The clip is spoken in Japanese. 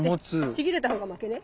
ちぎれたほうが負けね。